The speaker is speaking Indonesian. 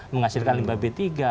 menghasilkan limba b tiga